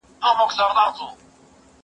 تکړښت د ښوونکي له خوا تنظيم کيږي!؟